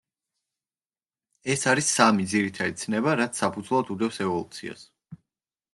ეს არის ის სამი ძირითადი ცნება, რაც საფუძვლად უდევს ევოლუციას.